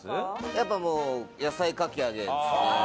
やっぱもう野菜かき揚げですね。